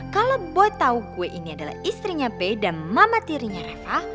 kalo boy tau boy ini adalah istrinya bay dan mama tirinya lo